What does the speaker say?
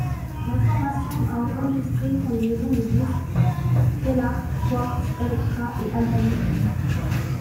La formation a enregistré pour les maisons de disques Telarc, Quartz, Elektra et Albany.